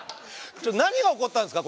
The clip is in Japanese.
ちょっと何が起こったんですか？